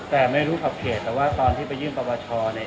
แต่ไม่รู้ขอบเขตแต่ว่าตอนที่ไปยืมประวัติศาสตร์เนี่ย